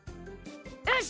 よし！